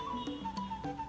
kota pematang siantar